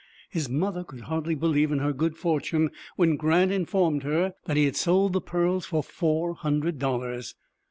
His mother could hardly believe in her good fortune, when Grant informed her that he had sold the pearls for four hundred dollars.